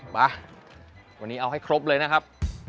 มาวันนี้เอาให้ครบเลยนะครับ